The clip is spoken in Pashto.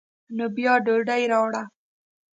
نو بیا ډوډۍ راوړه.